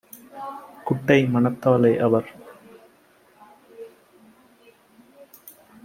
குட்டை மனத்தாலே - அவர்